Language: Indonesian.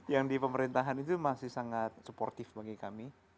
yang di pemerintahan itu masih sangat supportif bagi kami